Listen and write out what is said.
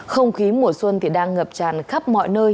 không khí mùa xuân thì đang ngập tràn khắp mọi nơi